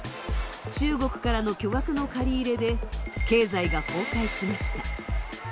中国からの巨額の借り入れで経済が崩壊しました。